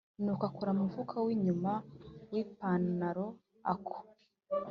nuko akora mumufuka winyuma wipanaro, ako